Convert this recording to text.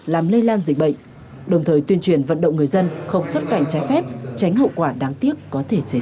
làm lây lan dịch bệnh đồng thời tuyên truyền vận động người dân không xuất cảnh trái phép tránh hậu quả đáng tiếc có thể xảy ra